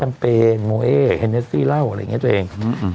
เปญโมเอ็นเนสซี่เล่าอะไรอย่างนี้ตัวเอง